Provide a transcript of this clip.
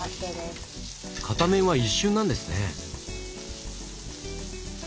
片面は一瞬なんですね。